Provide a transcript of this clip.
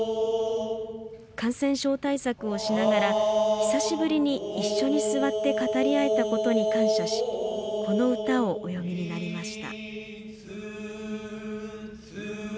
感染症対策をしながら久しぶりに一緒に座って語り合えたことに感謝しこの歌をお詠みになりました。